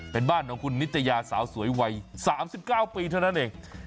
เป็นบ้านของคุณนิตยาสาวสวยวัย๓๙ปีเท่านั้นเอง